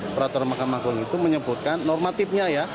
peraturan mahkamah agung itu menyebutkan normatifnya ya